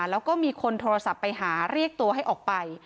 แล้วก็มีคนโทรศัพท์ไปหาเรียกตัวให้ออกไป